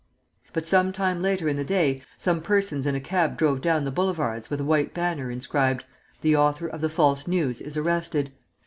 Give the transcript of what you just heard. But some time later in the day some persons in a cab drove down the Boulevards with a white banner, inscribed: THE AUTHOR OF THE FALSE NEWS IS ARRESTED!